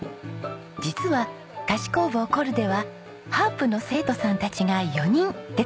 実は菓子工房コルデはハープの生徒さんたちが４人手伝ってくれています。